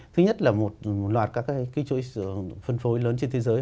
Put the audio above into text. thứ nhất là một loạt các chuỗi phân phối lớn trên thế giới